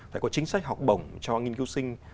phải có chính sách học bổng cho nghiên cứu sinh